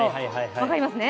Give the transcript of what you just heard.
分かりますね。